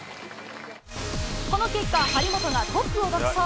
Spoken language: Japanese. この結果、張本がトップを独走。